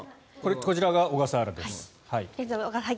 こちらが小笠原です。